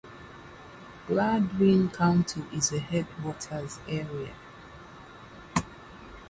Gladwin County is a headwaters area.